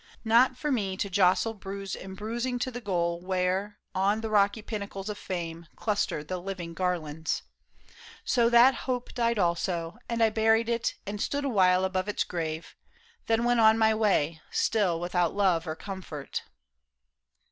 Not for me To jostle bruised and bruising to the goal Where, on the rocky pinnacles of Fame, Cluster the living garlands. So that hope Died also, and I buried it and stood Awhile above its grave, then went my way Still without love or comfort."